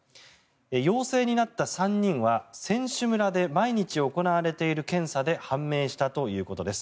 陽性になった３人は選手村で毎日行われている検査で判明したということです。